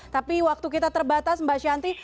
tapi waktu kita terbatas mbak shanti